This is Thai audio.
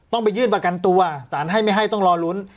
ต้องไปยื่นประกันตัวสารให้ไม่ให้ต้องรอลุ้น